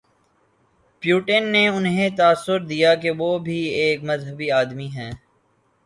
Putin نے انہیں تاثر دیا کہ وہ بھی ایک مذہبی آدمی ہیں۔